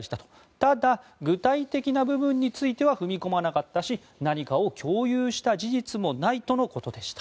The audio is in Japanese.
ただ、具体的な部分については踏み込まなかったし何かを共有した事実もないとのことでした。